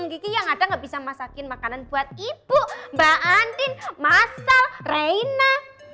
gigi yang ada nggak bisa masakin makanan buat ibu mbak antin masal reina